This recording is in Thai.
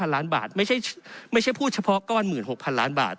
ล้านบาทไม่ใช่พูดเฉพาะก้อน๑๖๐๐ล้านบาท